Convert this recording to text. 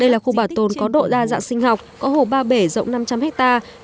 đây là khu bảo tồn có độ đa dạng sinh học có hồ ba bể rộng năm trăm linh hectare